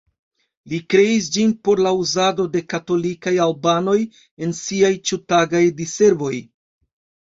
Li kreis ĝin por la uzado de katolikaj albanoj en siaj ĉiutagaj diservoj.